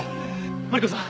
マリコさん